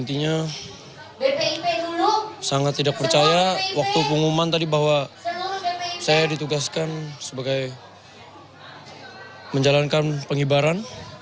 intinya sangat tidak percaya waktu pengumuman tadi bahwa saya ditugaskan sebagai menjalankan penghibaran